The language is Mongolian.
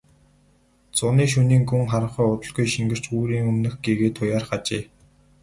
Зуны шөнийн гүн харанхуй удалгүй шингэрч үүрийн өмнөх гэгээ туяарах ажээ.